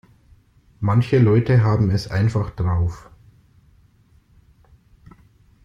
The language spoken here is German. Manche Leute haben es einfach drauf.